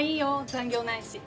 残業ないし。